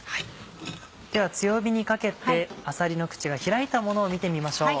では強火にかけてあさりの口が開いたものを見てみましょう。